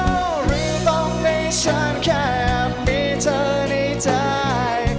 หรือต้องให้ฉันแค่มีเธอในใจ